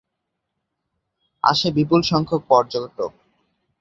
আসে বিপুল সংখ্যক পর্যটক।